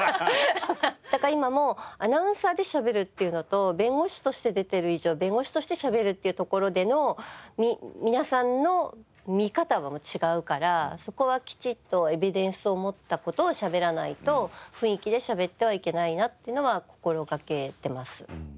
だから今もアナウンサーで喋るというのと弁護士と出てる以上弁護士として喋るっていうところでの皆さんの見方も違うからそこはきちっとエビデンスを持った事を喋らないと雰囲気で喋ってはいけないなっていうのは心掛けてます。